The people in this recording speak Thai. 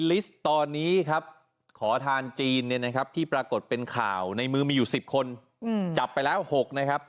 ลิสต์ตอนนี้ครับขอทานจีนเนี่ยนะครับที่ปรากฏเป็นข่าวในมือมีอยู่๑๐คนจับไปแล้ว๖นะครับ